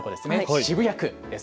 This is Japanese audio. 渋谷区です。